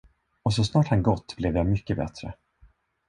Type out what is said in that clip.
Och så snart han gått blev jag mycket bättre.